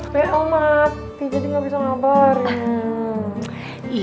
bel mati jadi gak bisa ngabarin